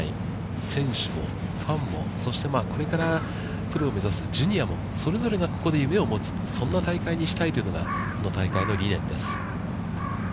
選手も、ファンも、そして、これからプロを目指すジュニアも、それぞれがここで夢を持つ、そんな大会にしたいというようなこの大会の理念です。